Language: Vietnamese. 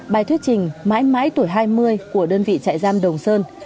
bài thuyết trình mãi mãi tuổi hai mươi của đơn vị trại giam đồng sơn